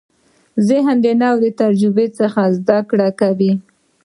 ذهن د نوې تجربې څخه زده کړه کوي.